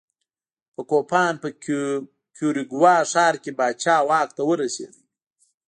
په کوپان په کیوریګوا ښار کې پاچا واک ته ورسېد.